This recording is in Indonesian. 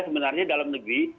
sebenarnya dalam negeri